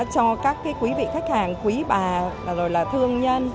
cho các quý vị khách hàng quý bà thương nhân